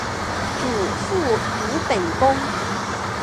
祖父鲁本恭。